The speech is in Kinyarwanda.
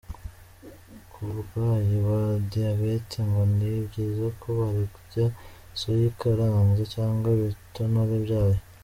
Ku barwayi ba diabete, ngo ni byiza ko barya soya ikaranze cyangwa ibitonore byayo.